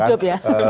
ya hidup ya